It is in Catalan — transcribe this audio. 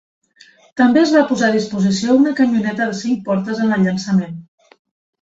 També es va posar a disposició una camioneta de cinc portes en el llançament.